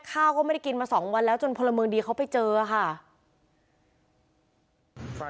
ข้าวก็ไม่ได้กินมา๒วันแล้วจนพลเมืองดีเขาไปเจอค่ะ